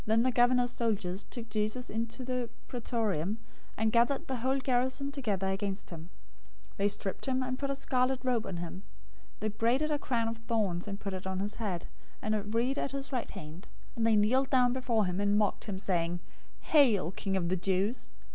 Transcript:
027:027 Then the governor's soldiers took Jesus into the Praetorium, and gathered the whole garrison together against him. 027:028 They stripped him, and put a scarlet robe on him. 027:029 They braided a crown of thorns and put it on his head, and a reed in his right hand; and they kneeled down before him, and mocked him, saying, "Hail, King of the Jews!"